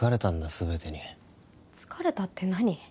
全てに疲れたって何？